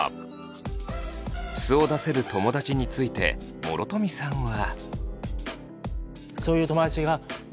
素を出せる友だちについて諸富さんは。